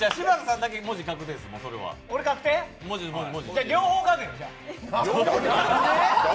じゃあ、両方かくよ。